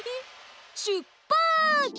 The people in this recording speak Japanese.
しゅっぱつ！